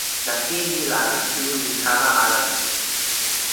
nasin ni la mi tu li kama ala lukin.